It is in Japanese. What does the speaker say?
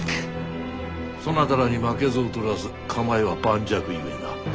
そなたらに負けず劣らず構えは盤石ゆえな。